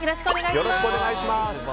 よろしくお願いします。